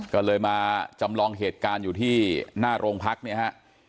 ก็เลยมาจำลองเหตุการณ์อยู่ที่หน้าโรงพักเนี่ยฮะ